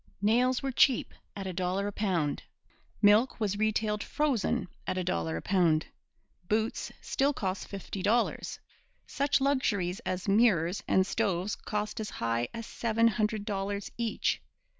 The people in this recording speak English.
Nails were cheap at a dollar a pound. Milk was retailed frozen at a dollar a pound. Boots still cost fifty dollars. Such luxuries as mirrors and stoves cost as high as seven hundred dollars each.